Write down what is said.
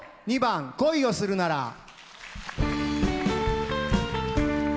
２番「恋をするなら」。